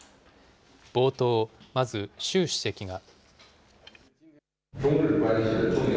冒頭、まず習主席が。